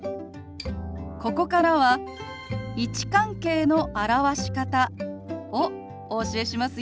ここからは位置関係の表し方をお教えしますよ。